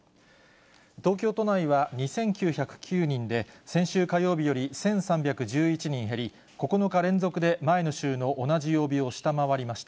東京都内は２９０９人で、先週火曜日より１３１１人減り、９日連続で前の週の同じ曜日を下回りました。